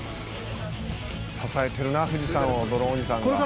「支えてるな富士山をドローンおじさんが」